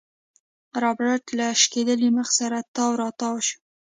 رابرټ له شکېدلي مخ سره تاو راتاو شو.